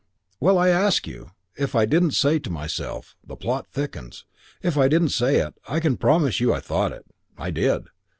"Well, I ask you! If I didn't say to myself, 'The plot thickens,' if I didn't say it, I can promise you I thought it. I did.